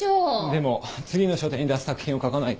でも次の書展に出す作品を書かないと。